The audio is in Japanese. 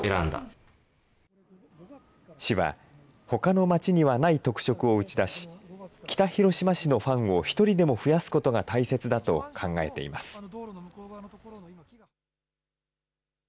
ほかの街にはない特色を打ち出し、北広島市のファンを一人でも増やすことが大切だと考えています。